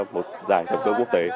một giải thẩm tượng quốc tế